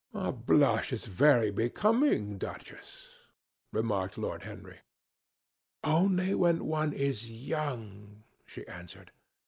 "A blush is very becoming, Duchess," remarked Lord Henry. "Only when one is young," she answered.